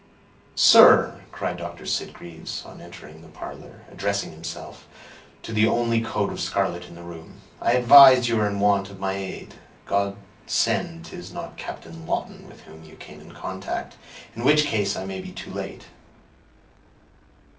"Sir," cried Dr. Sitgreaves, on entering the parlor, addressing himself to the only coat of scarlet in the room, "I am advised you are in want of my aid. God send 'tis not Captain Lawton with whom you came in contact, in which case I may be too late."